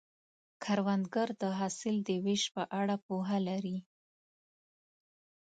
کروندګر د حاصل د ویش په اړه پوهه لري